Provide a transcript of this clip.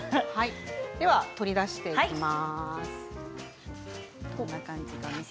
では取り出していきます。